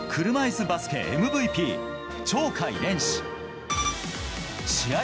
車いすバスケＭＶＰ、鳥海連志。